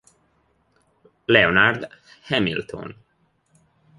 Leonard Hamilton